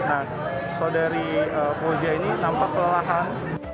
nah saudari fauzia ini nampak kelelahan